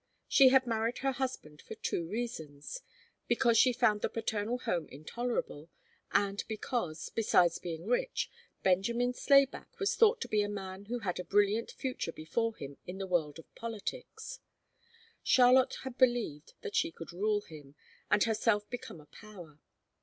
She had married her husband for two reasons: because she found the paternal home intolerable, and because, besides being rich, Benjamin Slayback was thought to be a man who had a brilliant future before him in the world of politics. Charlotte had believed that she could rule him, and herself become a power.